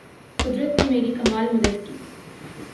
قدرت نے میری کمال مدد کی